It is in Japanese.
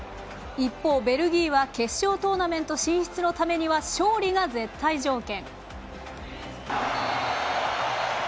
一方、ベルギーは決勝トーナメント進出のためには勝利が絶対条件。